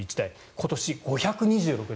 今年、５２６台。